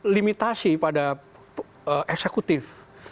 limitasi pada eksekutif